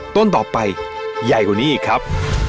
ต้นต่อไปใหญ่กว่านี้อีกครับ